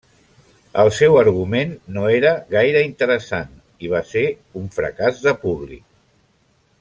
El seu argument no era gaire interessant i va ser un fracàs de públic.